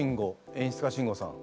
演出家慎吾さん。